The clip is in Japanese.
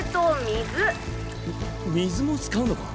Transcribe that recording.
み水も使うのか？